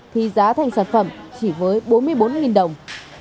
thì giá thành sản phẩm chỉ với bốn mươi bốn đồng